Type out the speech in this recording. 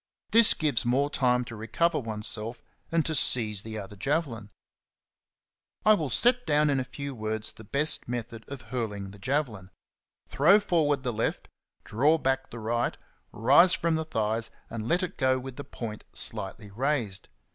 This gives more time to recover oneself and to seize the other javelin. I will set down in a few words the best method of hurling the javelin. Throw forward the left, draw back the right, rise from the thighs, and let it go with the point slightly raised.